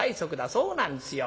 そうなんですよ。